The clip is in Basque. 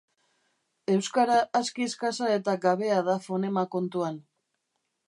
Euskara aski eskasa eta gabea da fonema kontuan.